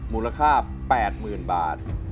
มูลค่า๘๐๐๐บาท